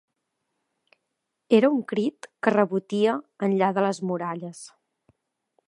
Era un crit que rebotia enllà de les muralles